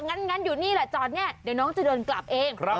งั้นอยู่นี่ละเจ้านี้เดี๋ยวน้องจะโดนกลับเอง